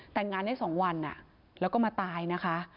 แต่งงานได้๒วันแล้วก็มาตายนะคะ